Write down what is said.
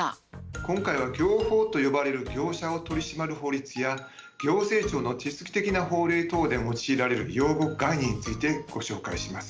今回は業法と呼ばれる業者を取り締まる法律や行政庁の手続き的な法令等で用いられる用語・概念についてご紹介します。